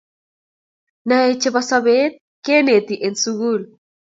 nae chebo sobee keneti en sukul